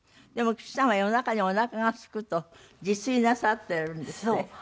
でも岸さんは夜中におなかがすくと自炊なさってるんですって？